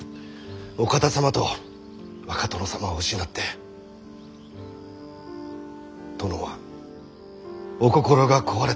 お方様と若殿様を失って殿はお心が壊れた。